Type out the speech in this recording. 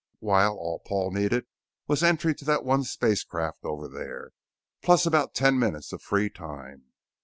While all Paul needed was entry to that one spacecraft over there, plus about ten minutes of free time....